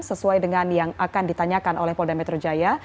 sesuai dengan yang akan ditanyakan oleh polda metro jaya